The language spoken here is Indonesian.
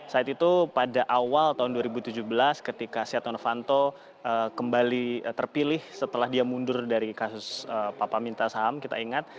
saat itu pada awal tahun dua ribu tujuh belas ketika setia novanto kembali terpilih setelah dia mundur dari kasus papa minta saham kita ingat